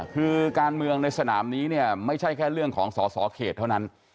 คือการเมืองในสนามนี้เนี่ยไม่ใช่แค่เรื่องของสอสอเขตเท่านั้น